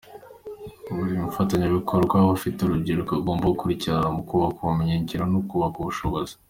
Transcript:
Buri mufatanyabikorwa aba afite urubyiruko agomba gukurikirana mu kubaka ubumenyingiro no kubaka ubushobozi.